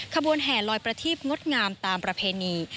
ขบวนแห่ลอยประทีบงดงามตามประเพณี